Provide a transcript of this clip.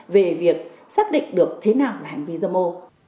về việc xác định được thế nào là hành vi dâm ô